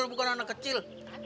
lu bukan anak kecil